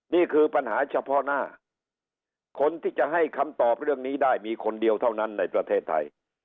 นี่คือปัญหาเฉพาะหน้าคนที่จะให้คำตอบเรื่องนี้ได้มีคนเดียวเท่านั้นในประเทศไทย